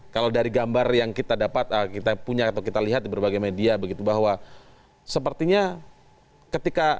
kalau dari gambar yang kita dapat kita punya atau kita lihat di berbagai media begitu bahwa sepertinya ketika